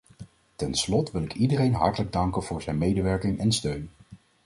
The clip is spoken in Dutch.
Tot slot wil ik iedereen hartelijk danken voor zijn medewerking en steun.